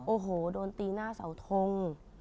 โอ้โหโดนตีหน้าเสาทง